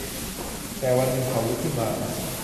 แต่วันหนึ่งเขาลุกขึ้นมา